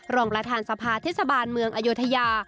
รองประธานสภาเทศบาลเมืองอโยธยา